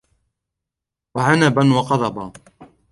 وعنبا وقضبا